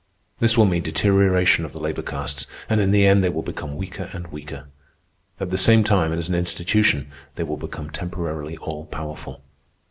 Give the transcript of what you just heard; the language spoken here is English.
This will mean deterioration of the labor castes, and in the end they will become weaker and weaker. At the same time, as an institution, they will become temporarily all powerful.